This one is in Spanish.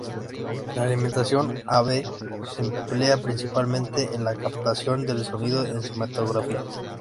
La alimentación A-B se emplea principalmente en la captación de sonido en cinematografía.